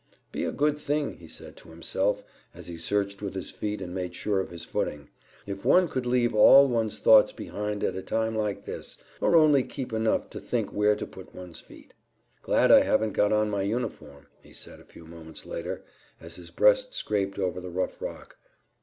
"Be a good thing," he said to himself, as he searched with his feet and made sure of his footing, "if one could leave all one's thoughts behind at a time like this, or only keep enough to think where to put one's feet." "Glad I haven't got on my uniform," he said a few moments later, as his breast scraped over the rough rock.